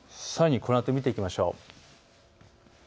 さらにこのあと見ていきましょう。